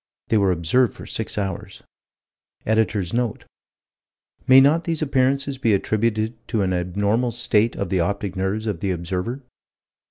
They were observed for six hours. Editor's note: "May not these appearances be attributed to an abnormal state of the optic nerves of the observer?"